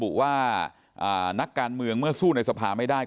ว่านักการเมืองเมื่อสู้ในสภาไม่ได้